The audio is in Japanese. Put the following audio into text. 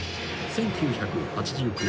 ［１９８９年。